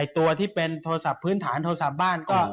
ตัวที่เป็นโทรศัพท์พื้นฐานโทรศัพท์บ้านก็